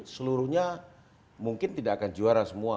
seluruhnya mungkin tidak akan juara semua